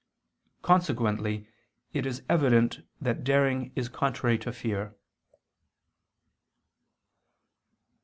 Consequently it is evident that daring is contrary to fear.